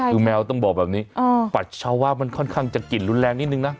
คือแมวต้องบอกแบบนี้ปัสสาวะมันค่อนข้างจะกลิ่นรุนแรงนิดนึงนะ